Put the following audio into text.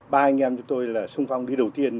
ba anh em chúng tôi là sung phong đi đầu tiên